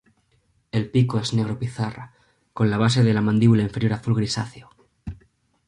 El pico es negro pizarra, con la base de la mandíbula inferior azul grisáceo.